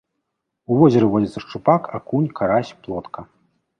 У возеры водзяцца шчупак, акунь, карась, плотка.